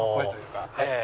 ええ。